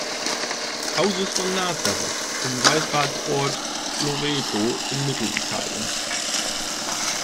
Hauses von Nazareth im Wallfahrtsort Loreto in Mittelitalien.